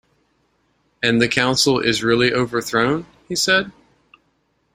“And the Council is really overthrown?” he said.